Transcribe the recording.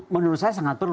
menurut saya sangat perlu